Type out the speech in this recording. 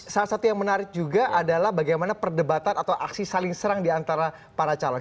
salah satu yang menarik juga adalah bagaimana perdebatan atau aksi saling serang diantara para calon